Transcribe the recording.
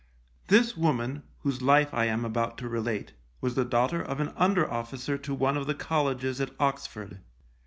This woman, whose life I am about to relate, was the daughter of an under officer to one of the colleges at Oxford.